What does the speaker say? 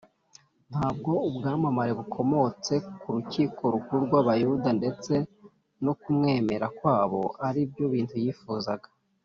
” ntabwo ubwamamare bukomotse ku rukiko rukuru rw’abayuda ndetse no kumwemera kwabo ari byo bintu yifuzaga